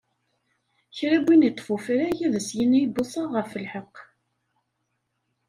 Kra n win iṭṭef ufrag ad s-yini buṣaɣ ɣef lḥeq.